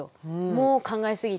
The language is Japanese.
もう考えすぎて。